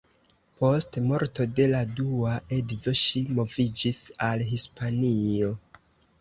Post morto de la dua edzo ŝi moviĝis al Hispanio.